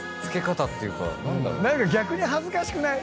何か逆に恥ずかしくない？